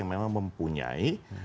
yang memang mempunyai